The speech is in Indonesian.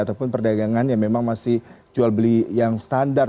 ataupun perdagangan yang memang masih jual beli yang standar